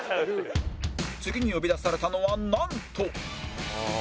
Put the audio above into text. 次に呼び出されたのはなんと